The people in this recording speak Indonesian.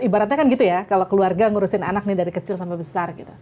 ibaratnya kan gitu ya kalau keluarga ngurusin anak nih dari kecil sampai besar gitu